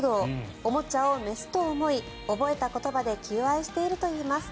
おもちゃを雌と思い覚えた言葉で求愛しているといいます。